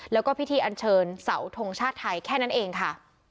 แล้วก็พิธีอันเชิญเสาทงชาติไทยแค่นั้นเองค่ะ